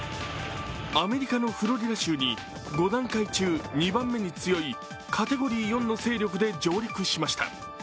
アメリカのフロリダ州に５段階中２番目に強いカテゴリー４の勢力で上陸しました